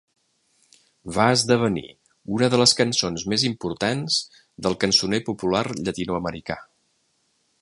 Va esdevenir una de les cançons més importants del cançoner popular llatinoamericà.